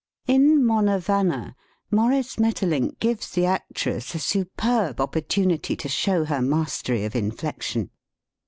In "Monna Vanna," Maurice Maeterlinck gives the actress a superb opportunity to show her mastery of inflection.